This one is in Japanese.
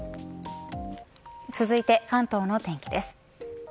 続いて関東の天気です。